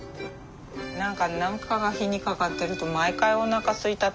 何か何かが火にかかってると毎回おなかすいたって言ってしまう。